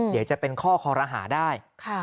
เดี๋ยวจะเป็นข้อคอรหาได้